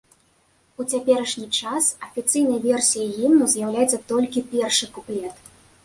У цяперашні час афіцыйнай версіяй гімну з'яўляецца толькі першы куплет.